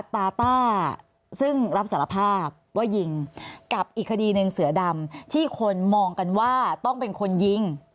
ตาต้าซึ่งรับสารภาพว่ายิงกับอีกคดีหนึ่งเสือดำที่คนมองกันว่าต้องเป็นคนยิง